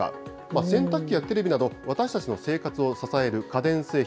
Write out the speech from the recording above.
洗濯機やテレビなど、私たちの生活を支える家電製品。